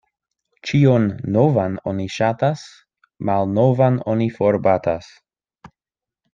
Ĉion novan oni ŝatas, malnovan oni forbatas.